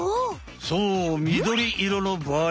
そうみどり色のばあい